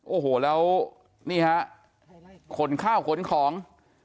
โอ้โหแล้วนี่ฮะขนข้าวขนของ